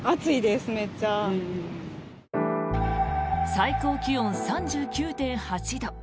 最高気温３９．８度。